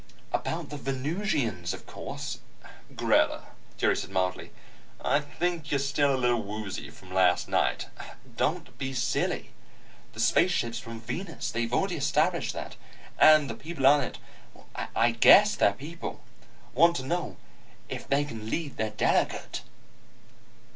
"About the Venusians, of course." "Greta," Jerry said mildly, "I think you're still a little woozy from last night." "Don't be silly. The spaceship's from Venus; they've already established that. And the people on it I guess they're people want to know if they can land their delegate."